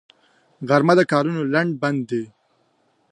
غرمه د کارونو لنډ بند دی